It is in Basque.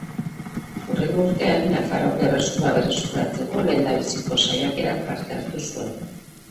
Hurrengo urtean, Nafarroako Erresuma berreskuratzeko lehendabiziko saiakeran parte hartu zuen.